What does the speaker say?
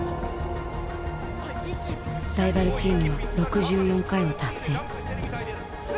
ライバルチームは６４回を達成。